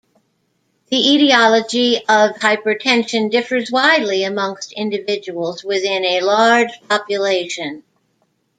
The etiology of hypertension differs widely amongst individuals within a large population.